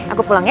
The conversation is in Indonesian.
aku pulang ya